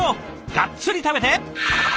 がっつり食べて！